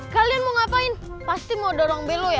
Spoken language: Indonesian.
kalian mau ngapain pasti mau dorong belo ya